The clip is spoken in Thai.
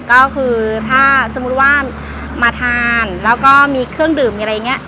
ก็คือถ้าสมมุติว่ามาทานแล้วก็มีเครื่องดื่มมีอะไรอย่างนี้